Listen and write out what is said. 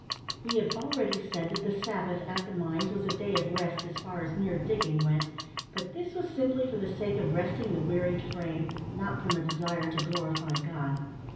We have already said, that the Sabbath at the mines was a day of rest as far as mere digging went, but this was simply for the sake of resting the wearied frame, not from a desire to glorify God.